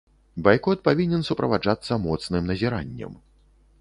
Байкот павінен суправаджацца моцным назіраннем.